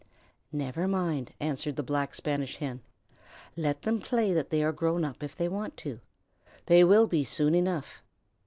"Never mind," answered the Black Spanish Hen. "Let them play that they are grown up if they want to. They will be soon enough."